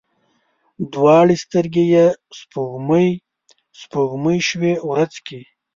دواړې سترګي یې سپوږمۍ، سپوږمۍ شوې ورځ کې